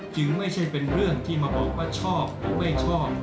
ไม่ใช่เป็นเรื่องที่มาบอกว่าชอบหรือไม่ชอบ